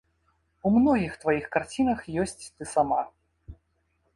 У многіх тваіх карцінах ёсць ты сама.